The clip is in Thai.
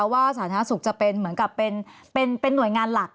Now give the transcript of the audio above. สาธารณสุขจะเป็นเหมือนกับเป็นหน่วยงานหลัก